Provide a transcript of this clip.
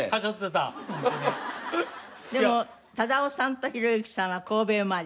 でも忠夫さんと弘之さんは神戸生まれ。